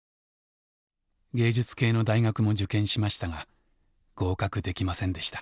芸術系の大学も受験しましたが合格できませんでした。